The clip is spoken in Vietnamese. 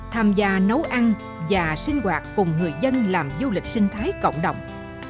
tham gia nấu ăn và sinh hoạt cùng người dân làm du lịch sinh thái cộng đồng